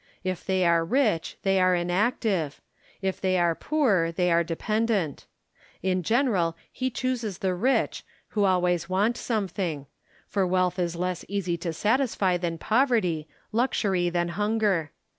If they are rich they are inactive ; if they are poor they are dependent. In general he chooses the GENERAL LACY AND CURA MERINO. 145 rich, who always want something ; for wealth is less easy to satisfy than poverty, luxury than hunger.